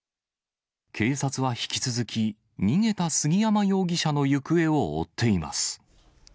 警察は引き続き、逃げた杉山容疑者の行方を追っています。